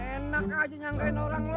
enak aja nyangkain orang lu